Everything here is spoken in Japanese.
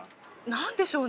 何でしょうね